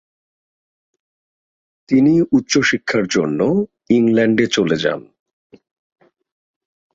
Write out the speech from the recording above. তিনি উচ্চশিক্ষার জন্য ইংল্যান্ডে চলে যান।